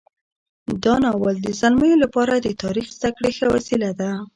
دا ناول د زلمیو لپاره د تاریخ زده کړې ښه وسیله ده.